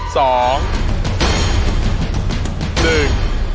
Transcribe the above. สองหนึ่ง